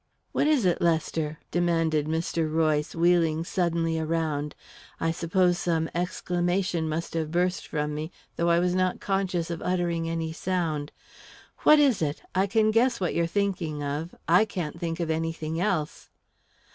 "What is it, Lester?" demanded Mr. Royce, wheeling suddenly around. I suppose some exclamation must have burst from me, though I was not conscious of uttering any sound. "What is it? I can guess what you're thinking of I can't think of anything else."